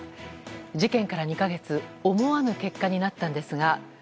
事件から２か月思わぬ結果になったんですが。